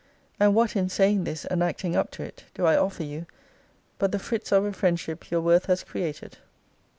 And what in saying this, and acting up to it, do I offer you, but the frits of a friendship your worth has created?